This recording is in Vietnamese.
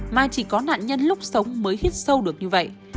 mà chỉ có nạn nhân lúc sống mới hít sâu được như vậy